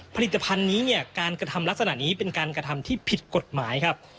ผลิตภัณฑ์นี้เนี่ยการกระทำลักษณะนี้เป็นการกระทำที่ผิดกฎหมายครับ